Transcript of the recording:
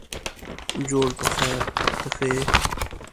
جوړ په خیرته ښه یې.